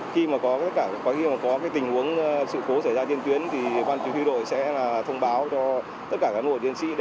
khi mà có tình huống sự cố xảy ra trên tuyến thì quan chức huy đội sẽ thông báo cho tất cả cán bộ chiến sĩ